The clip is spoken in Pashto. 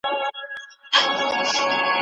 سُر به په خپل تار کي زیندۍ وي شرنګ به نه مستوي